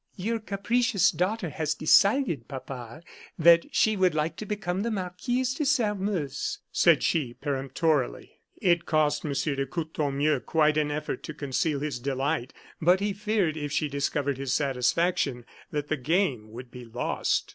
"Your capricious daughter has decided, papa, that she would like to become the Marquise de Sairmeuse," said she, peremptorily. It cost M. de Courtornieu quite an effort to conceal his delight; but he feared if she discovered his satisfaction that the game would be lost.